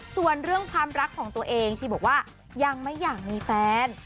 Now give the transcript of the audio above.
ส่วนเรื่องความรักของตัวเองชีบอกว่ายังไม่อยากมีแฟน